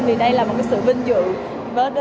vì đây là một sự vinh dự